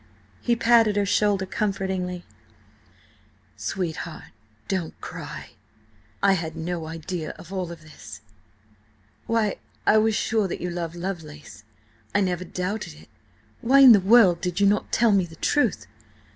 He patted her shoulder comfortingly. "Sweetheart, don't cry! I had no idea of all this–why, I was sure that you loved Lovelace–I never doubted it–why in the world did you not tell me the truth?"